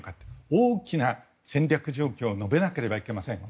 大きな戦略状況を述べなければいけません。